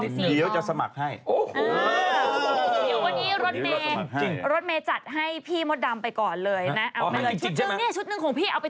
เดี๋ยวจะสมัครให้โอ้โฮ